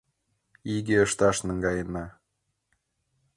Иге ышташ наҥгаена.